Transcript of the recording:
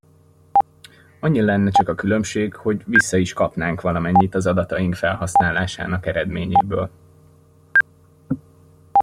Annyi lenne csak a különbség, hogy vissza is kapnánk valamennyit az adataink felhasználásának eredményéből.